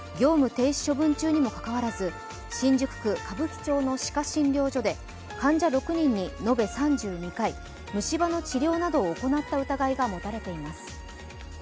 停止中にもかかわらず新宿区歌舞伎町の歯科診療所で患者６人に延べ３２回、虫歯の治療などを行った疑いが持たれています。